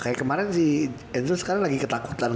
kayak kemarin si enzo sekarang lagi ketakutan